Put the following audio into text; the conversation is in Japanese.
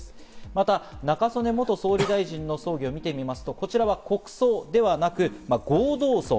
また中曽根元総理大臣の葬儀を見ていきますと、こちらは国葬ではなく合同葬。